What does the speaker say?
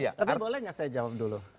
tapi boleh nggak saya jawab dulu